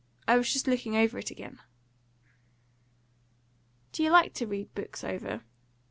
I was just looking over it again." "Do you like to read books over?"